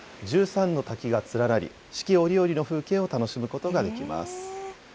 １３の滝が連なり、四季折々の風景を楽しむことができます。